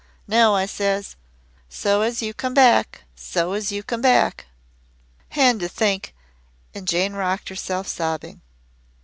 "'No,' I says. 'So as you come back. So as you come back.' "And to think!" And Jane rocked herself sobbing.